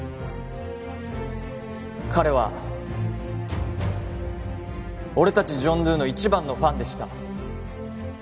彼は俺達ジョン・ドゥの一番のファンでした